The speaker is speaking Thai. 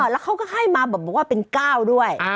แล้วเขาก็ให้มาบอกว่าเป็น๙ด้วย